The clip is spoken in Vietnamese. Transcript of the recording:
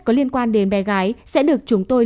có liên quan đến bé gái sẽ được chúng tôi